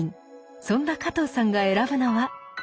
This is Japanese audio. そんな加藤さんが選ぶのは。